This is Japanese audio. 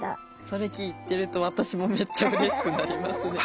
それ聞いてると私もめっちゃうれしくなりますね。